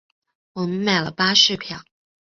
我们买了巴士票